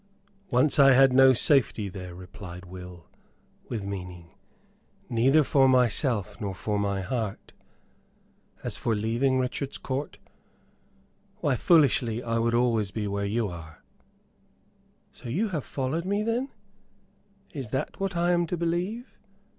"Once I had no safety there," replied Will, with meaning, "neither for myself nor for my heart. As for my leaving Richard's Court, why, foolishly, I would be always where you are." "So you have followed me, then; is that what I am to believe?"